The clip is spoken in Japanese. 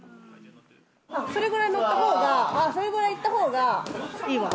それぐらいのったほうがそれぐらいいったほうがいいわ。